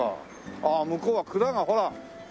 ああ向こうは蔵がほら。